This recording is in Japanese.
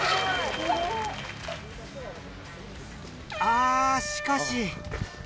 あしかし。